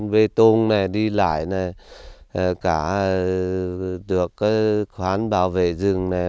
về thôn này đi lại này cả được khoán bảo vệ rừng này